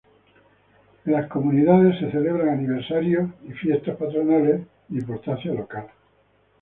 En las comunidades se celebran aniversarios y fiesta patronales de importancia local.